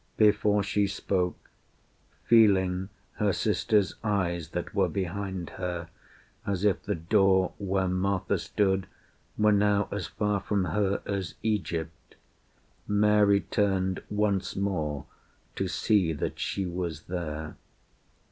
Before she spoke, Feeling her sister's eyes that were behind her As if the door where Martha stood were now As far from her as Egypt, Mary turned Once more to see that she was there.